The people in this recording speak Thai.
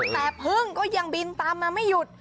แต่พึ่งก็ยังบินตามมาไม่หยุด